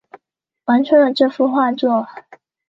完成了这幅画作